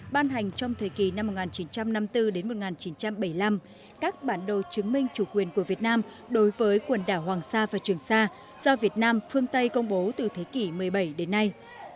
ban hành trong thời kỳ năm một nghìn chín trăm năm mươi bốn đến một nghìn chín trăm bảy mươi năm các bản đồ chứng minh chủ quyền của việt nam đối với quần đảo hoàng sa và trường sa do việt nam phương tây công bố từ thế kỷ một mươi bảy đến nay